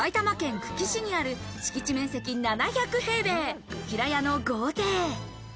捜査するのは埼玉県久喜市にある敷地面積７００平米の平屋の豪邸。